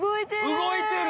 動いてる！